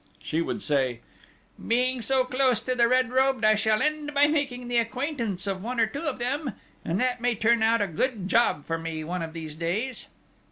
She would say: "Being so close to the red robed I shall end by making the acquaintance of one or two of them, and that may turn out a good job for me one of these days!"